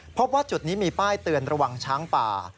พบว่าจุดนี้มีป้ายเตือนระวังช้างป่า